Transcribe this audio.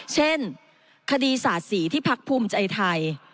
เช่นคดีสาดสีที่พักภูมิใจไทย